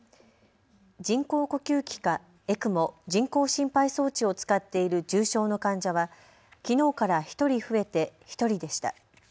人工呼吸器かＥＣＭＯ・人工心肺装置を使っている重症の患者はきのうから１人増えて１人でした。